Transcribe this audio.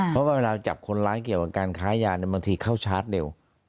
เพราะว่าเวลาจับคนร้ายเกี่ยวกับการค้ายาบางทีเข้าชาร์จเร็ว